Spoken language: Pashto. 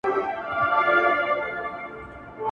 څوک مي ویښ نه سو له چېغو- چا مي وا نه ورېدې ساندي-